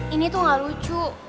ini tuh gak lucu